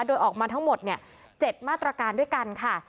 โดยออกมาทั้งหมด๗มาตรการด้วยกันค่ะ